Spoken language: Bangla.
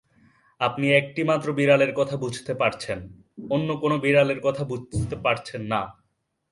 আপনি একটিমাত্র বিড়ালের কথা বুঝতে পারছেন, অন্য কোনো বিড়ালের কথা বুঝতে পারছেন না।